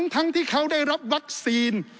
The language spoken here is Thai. ทั้งที่เขาได้รับวัคซีน